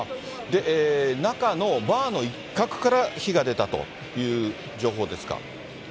中のバーの一角から火が出たという情報ですか。